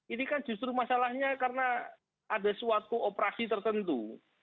ini kan justru masalahnya karena ada suatu operasi tertentu